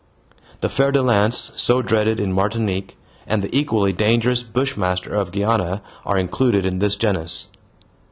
The fer de lance, so dreaded in Martinique, and the equally dangerous bushmaster of Guiana are included in this genus.